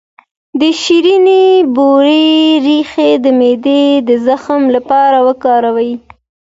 د شیرین بویې ریښه د معدې د زخم لپاره وکاروئ